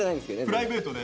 プライベートで？